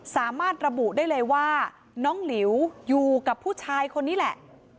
สามารถระบุได้เลยว่าน้องหลิวอยู่กับผู้ชายคนนี้แหละ